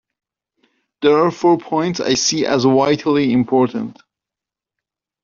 There are four points I see as vitally important.